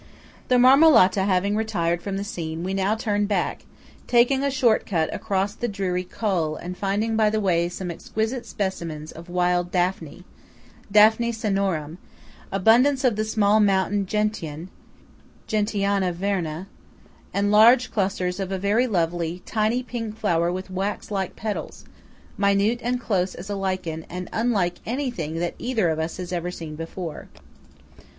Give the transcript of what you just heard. The Marmolata having retired from the scene, we now turn back, taking a short cut across the dreary "Col" and finding by the way some exquisite specimens of wild Daphne (Daphne Cneorum ), abundance of the small mountain gentian (Gentiana verna ), and large clusters of a very lovely, tiny pink flower with wax like petals, minute and close as a lichen, and unlike anything that either of us has ever seen before.